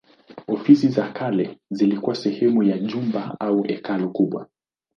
Ofisi za kale zilikuwa sehemu ya jumba au hekalu kubwa.